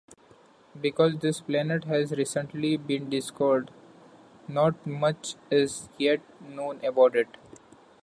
Because this planet has recently been discovered, not much is yet known about it.